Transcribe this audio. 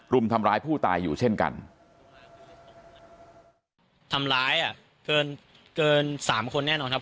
รุมทำร้ายผู้ตายอยู่เช่นกันทำร้ายอ่ะเกินเกินสามคนแน่นอนครับ